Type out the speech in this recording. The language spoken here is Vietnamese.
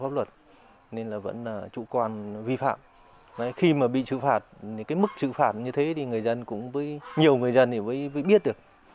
mức xử phạt như thế thì nhiều người dân cũng biết được